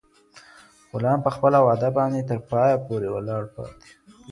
غلام په خپله وعده باندې تر پایه پورې ولاړ پاتې شو.